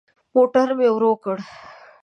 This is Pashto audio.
موټر مي ورو کړ .